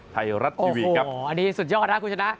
ไทรัตทีวีอันนี้สุดยอดนะ